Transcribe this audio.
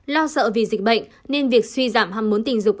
lo sợ vì dịch bệnh nên việc suy giảm ham muốn tình dục